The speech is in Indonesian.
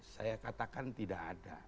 saya katakan tidak ada